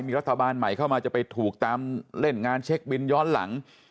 มีรัฐบาลใหม่เข้ามาจะไปถูกตามเล่นงานเช็คบินย้อนหลัง